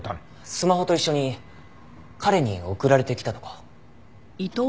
スマホと一緒に彼に送られてきたとか。